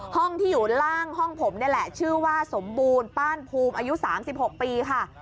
ห้องที่อยู่ล่างห้องผมนี่แหละชื่อว่าสมบูรณ์ป้านภูมิอายุ๓๖ปีค่ะ